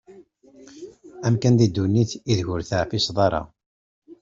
Amkan di ddunit ideg ur teεfisem-ara.